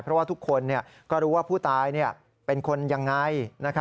เพราะว่าทุกคนก็รู้ว่าผู้ตายเป็นคนยังไง